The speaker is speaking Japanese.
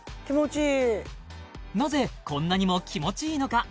なぜこんなにも気持ちいいのか？